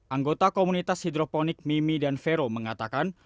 anggota komunitas hidroponik mimi dan vero mengatakan